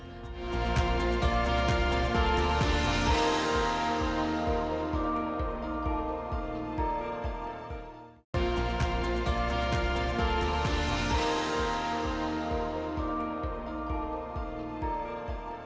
kalau di g dua puluh apa yang anda lakukan